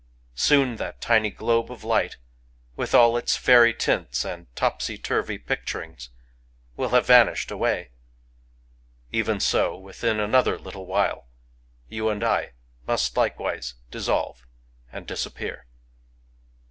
..• Soon that tiny globe of light, with a]l its feiry tints and topsy turvy picturings, will have vanished away. Even so, within another little while, you and I must likewise dissolve and disappear.